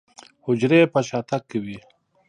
حجرې يې په شاتګ کوي.